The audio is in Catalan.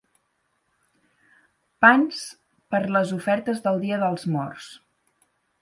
Pans per a les ofertes del dia dels Morts.